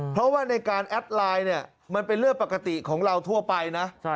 เพราะว่าในการแอดไลน์เนี่ยมันเป็นเรื่องปกติของเราทั่วไปนะ